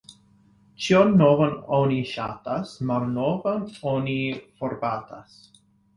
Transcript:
Ĉion novan oni ŝatas, malnovan oni forbatas.